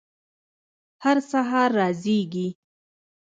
هر سهار را زیږي